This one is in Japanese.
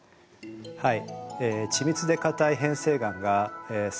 はい。